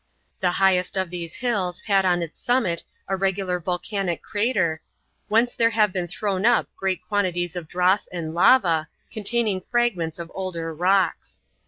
The highest of these hills had on its summit a regular volcanic crater, whence there have been thrown up great quantities of dross and lava, containing fragments of older rocks.